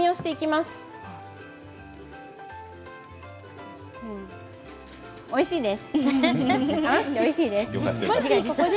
うん、おいしいです。